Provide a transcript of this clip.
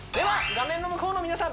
画面の向こうの皆さん